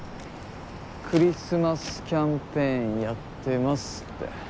クリスマスキャンペーンやってますって。